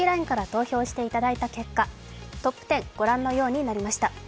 ＬＩＮＥから投票していただいた結果、トップ１０、御覧のようになりました。